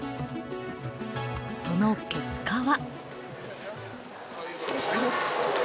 その結果は。